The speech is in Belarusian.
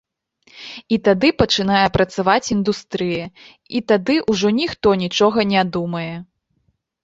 І тады пачынае працаваць індустрыя, і тады ўжо ніхто нічога не думае.